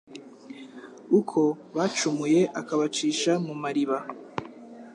Uko bacumuye akabacisha mu mariba